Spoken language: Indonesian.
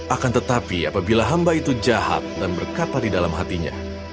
akan tetapi apabila hamba itu jahat dan berkata di dalam hatinya